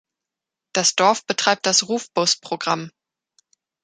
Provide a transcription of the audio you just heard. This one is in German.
Das Dorf betreibt das „Rufbus“-Programm.